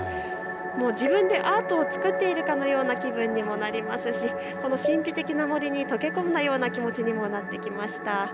自分でアートを作っているかのような気分にもなりますし神秘的な森にとけ込んだような気持ちにもなってきました。